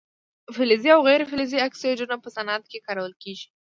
فلزي او غیر فلزي اکسایدونه په صنعت کې کارول کیږي.